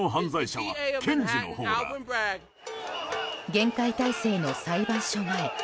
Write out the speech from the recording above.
厳戒態勢の裁判所前。